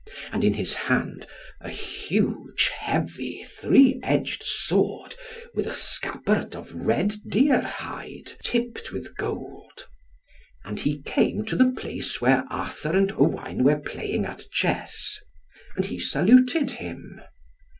And in his hand a huge, heavy, three edged sword, with a scabbard of red deer hide, tipped with gold. And he came to the place where Arthur and Owain were playing at chess. And he saluted him.